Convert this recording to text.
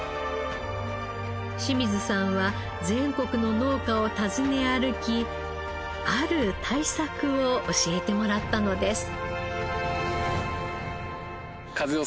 清水さんは全国の農家を訪ね歩きある対策を教えてもらったのです。